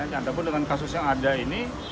nyatapun dengan kasus yang ada ini